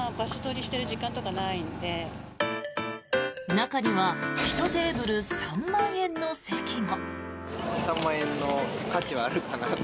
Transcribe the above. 中には１テーブル３万円の席も。